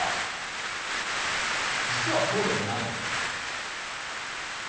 実はそうでもないのです。